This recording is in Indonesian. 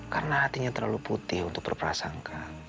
karena hatinya terlalu putih untuk berperasangka